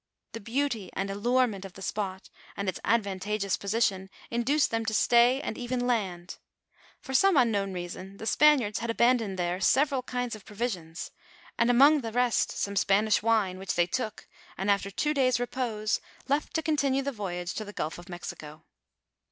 The beauty and allure ment of the spot, and its advantageous position, induced them to stay and even land. For some unknown reason the Span iards had abandoned their several kinds of provisions, and ><• 190 NAEEATIVE OF FATHER LB CLEHCQ. vri? among the rest some Spanish wine, which they took, and after two days' repose, left, to continue the voyage to the gulf of Mexico.